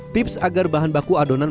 tips agar bahan baku adonan